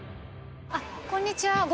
あっこんにちは。